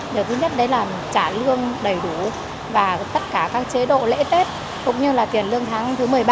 điều thứ nhất là trả lương đầy đủ và tất cả các chế độ lễ tết cũng như tiền lương tháng thứ một mươi ba